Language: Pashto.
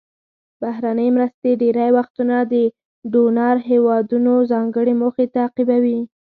بهرنۍ مرستې ډیری وختونه د ډونر هیوادونو ځانګړې موخې تعقیبوي.